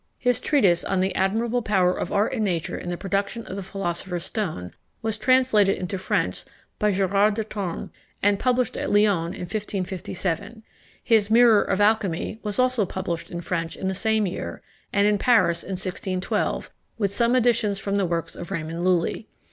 His treatise on the Admirable Power of Art and Nature in the Production of the Philosopher's Stone was translated into French by Girard de Tormes, and published at Lyons in 1557. His Mirror of Alchymy was also published in French in the same year, and in Paris in 1612, with some additions from the works of Raymond Lulli.